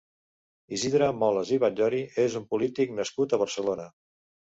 Isidre Molas i Batllori és un polític nascut a Barcelona.